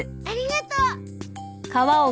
ありがとう。